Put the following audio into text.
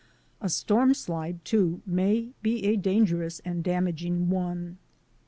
A storm slide, too, may be a danger ous and damaging one.